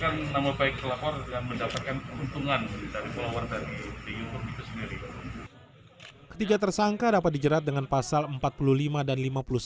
keuntungan dari keluarga di youtube itu sendiri ketiga tersangka dapat dijerat dengan pasal empat puluh lima dan